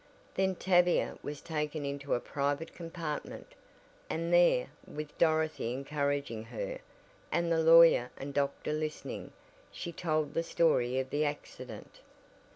Then Tavia was taken into a private compartment, and there, with Dorothy encouraging her, and the lawyer and doctor listening, she told the story of the accident.